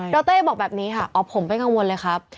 รเต้บอกแบบนี้ค่ะอ๋อผมไม่กังวลเลยครับ